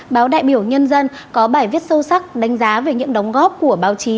báo đại biểu nhân dân có bài viết sâu sắc đánh giá về những đóng góp của báo chí